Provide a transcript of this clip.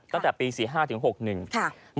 ตั้งแต่ปี๔๕๖๑ครับ